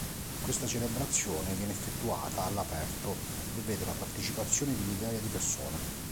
Questa celebrazione viene effettuata all'aperto e vede la partecipazione di migliaia di persone.